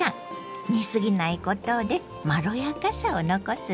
煮すぎないことでまろやかさを残すのよ。